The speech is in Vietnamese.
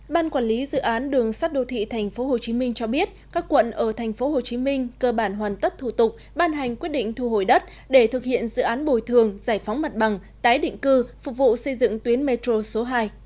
ban quản lý dự án đường sắt đô thị tp hcm cho biết các quận ở tp hcm cơ bản hoàn tất thủ tục ban hành quyết định thu hồi đất để thực hiện dự án bồi thường giải phóng mặt bằng tái định cư phục vụ xây dựng tuyến metro số hai